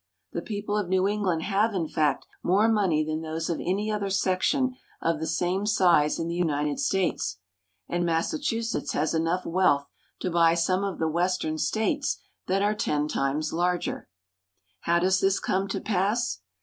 The people of New England have, in fact, more money than those of any other section of the same size in the United States ; and Massachusetts has enough wealth to buy some of the Western states that are ten times larger. How does this come to pass?